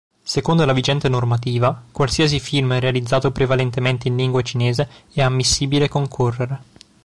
Secondo la vigente normativa, qualsiasi film realizzato prevalentemente in lingua cinese è ammissibile concorrere.